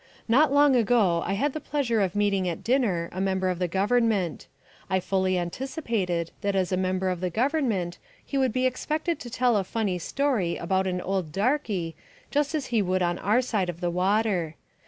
Not long ago I had the pleasure of meeting at dinner a member of the Government. I fully anticipated that as a member of the Government he would be expected to tell a funny story about an old darky, just as he would on our side of the water.